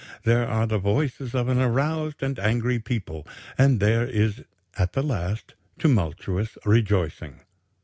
There are the voices of an aroused and angry people, and there is at the last tumultuous rejoicing."